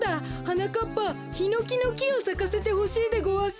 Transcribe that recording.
はなかっぱヒノキのきをさかせてほしいでごわす。